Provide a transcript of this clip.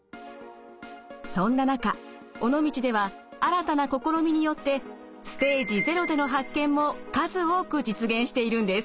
そんな中尾道では新たな試みによってステージ０での発見も数多く実現しているんです。